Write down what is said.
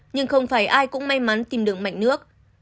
nhưng không phải ai cũng may mắn tìm đường mạnh nước